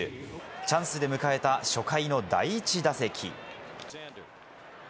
チャンスで迎えた初回の第１打席。